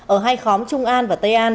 ở hai khóm trung an và tây an